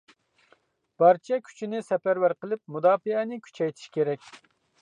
بارچە كۈچنى سەپەرۋەر قىلىپ، مۇداپىئەنى كۈچەيتىش كېرەك.